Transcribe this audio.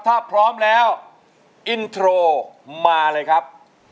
ถ้าพร้อมแล้วอินโทรมาเลยครับ